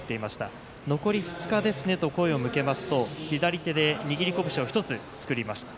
残り２日ですねと向けますと左手で握り拳を１つ作りました。